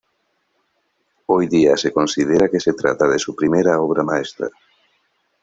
Hoy día, se considera que se trata de su "primera" obra maestra.